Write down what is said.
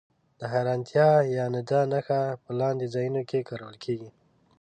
د حېرانتیا یا ندا نښه په لاندې ځایونو کې کارول کیږي.